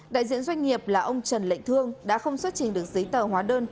đại diện doanh nghiệp là ông trần lệnh thương đã không xuất trình được giấy tờ hóa đơn